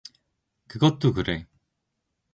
"그것두 그래!"